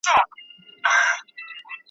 تر بور به وي پښېمانه د پېړیو له بدیو `